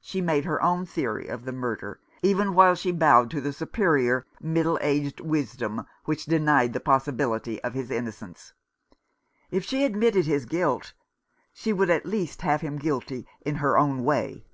She made her own theory of the murder, even while she bowed to the superior middle aged wisdom which denied the possibility of his innocence. If she admitted his guilt, she would at least have him guilty in her own way.